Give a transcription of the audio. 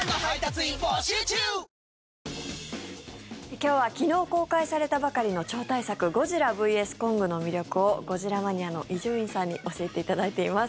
今日は昨日公開されたばかりの超大作「ゴジラｖｓコング」の魅力をゴジラマニアの伊集院さんに教えていただいています。